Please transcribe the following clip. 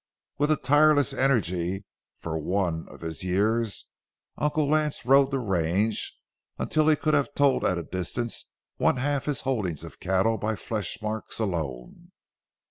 With a tireless energy for one of his years, Uncle Lance rode the range, until he could have told at a distance one half his holdings of cattle by flesh marks alone.